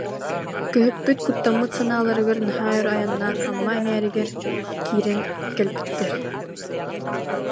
Көһүппүт, куттаммыт санааларыгар, наһаа өр айаннаан Амма эҥээригэр киирэн кэлбиттэр